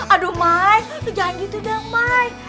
aduh mai lo jangan gitu deh mai